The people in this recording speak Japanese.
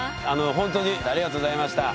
ほんとにありがとうございました。